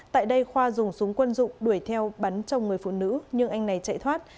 tại đây khoa dùng súng quân dụng đuổi theo bắn trong người phụ nữ nhưng anh này chạy thoát